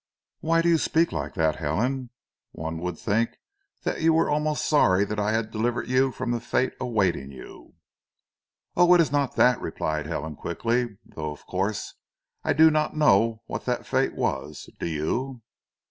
"Why do you speak like that, Helen? One would think that you were almost sorry that I had delivered you from the fate awaiting you." "Oh, it is not that!" replied Helen quickly. "Though of course I do not know what the fate was. Do you?"